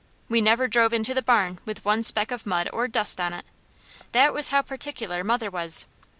We never drove into the barn with one speck of mud or dust on it. That was how particular mother was.